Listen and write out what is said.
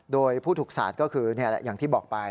โดยผู้ถูกสาดก็คือนี่แหละอย่างที่บอกไป